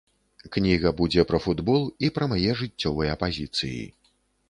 Кніга будзе пра футбол і пра мае жыццёвыя пазіцыі.